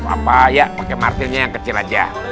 apa ya pakai martirnya yang kecil aja